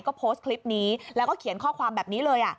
ก็โพสต์คลิปนี้แล้วก็เขียนข้อความแบบนี้เลย